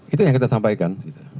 itu yang kita sampaikan